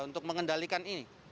untuk mengendalikan ini